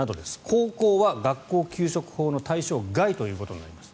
高校は学校給食法の対象外ということです。